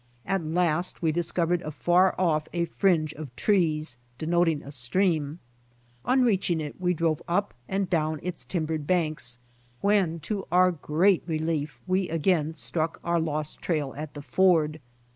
At last we discovered afar off a fringe of trees, denote ing a stream. On reaching it we drove up and down its timbered banks, when to our great relief we again struck our lost trail at the ford.